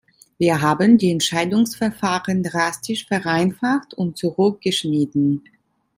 Wir haben die Entscheidungsverfahren drastisch vereinfacht und zurückgeschnitten.